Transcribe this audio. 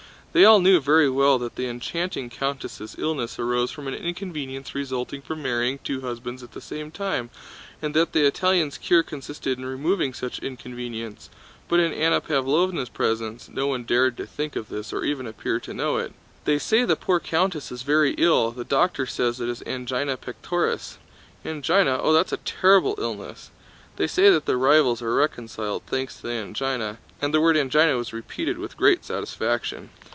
They all knew very well that the enchanting countess' illness arose from an inconvenience resulting from marrying two husbands at the same time, and that the Italian's cure consisted in removing such inconvenience; but in Anna Pávlovna's presence no one dared to think of this or even appear to know it. "They say the poor countess is very ill. The doctor says it is angina pectoris." "Angina? Oh, that's a terrible illness!" "They say that the rivals are reconciled, thanks to the angina..." and the word angina was repeated with great satisfaction.